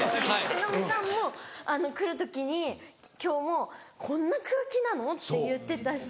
忍さんも来る時に今日もう「こんな空気なの？」って言ってたし。